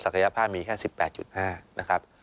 กายภาพมีแค่๑๘๕นะครับ